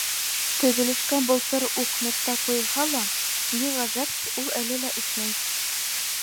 Төҙөлөшкә былтыр уҡ нөктә ҡуйылһа ла, ни ғәжәп, ул әле лә эшләмәй.